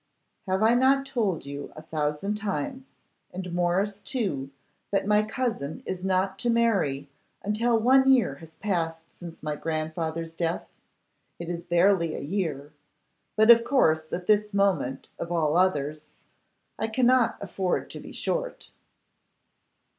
'Have I not told you a thousand times, and Morris too, that my cousin is not to marry until one year has passed since my grandfather's death? It is barely a year. But of course, at this moment, of all others, I cannot afford to be short.